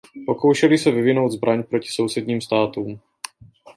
Pokoušeli se vyvinout zbraň proti sousedním státům.